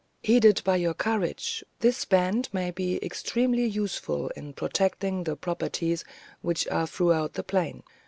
Headed by your courage, this band may be extremely useful in protecting the properties which are throughout the plain.